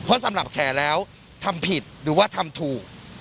เพราะสำหรับแขแล้วทำผิดหรือว่าทำถูก